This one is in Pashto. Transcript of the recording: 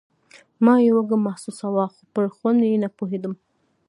ما يې وږم محسوساوه خو پر خوند يې نه پوهېدم.